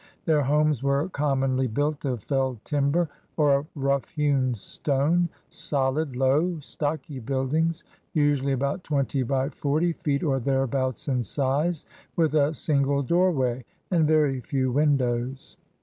Their homes were commonly built of felled timber or of rough hewn stone, solid, low, stocky buildings, usually about twenty by forty feet or thereabouts in size, with a single doorway and very few windows.